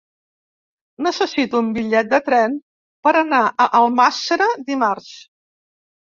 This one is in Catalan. Necessito un bitllet de tren per anar a Almàssera dimarts.